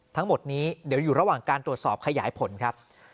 ทั้งหมดนี้เดี๋ยวอยู่ระหว่างการตรวจสอบขยายผลครับ